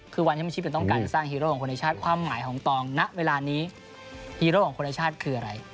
คือวันที่มิชิปต้องการสร้างฮีโร่ของคนในชาติความหมายของตองณเวลานี้ฮีโร่ของคนในชาติคืออะไร